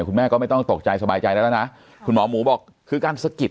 คุณแม่ก็ไม่ต้องตกใจสบายใจแล้วแล้วนะคุณหมอหมูบอกคือการสะกิด